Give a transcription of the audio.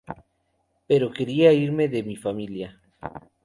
Pero quería irme de mi familia.